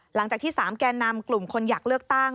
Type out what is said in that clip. หลังจากที่๓แก่นำกลุ่มคนอยากเลือกตั้ง